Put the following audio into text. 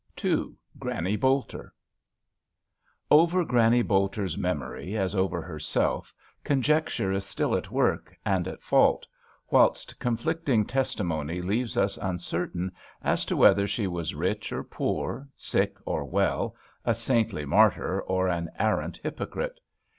11 GRANNY BOLTER ^\ Over Granny Bolter's memory, as over herself, conjecture is still at work and at fault, whilst conflicting testimony leaves us uncertain as to whether she was rich or poor, sick or well, a saintly martyr or an arrant hypocrite.